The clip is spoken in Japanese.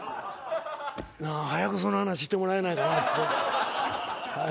なあ早くその話してもらえないかなと。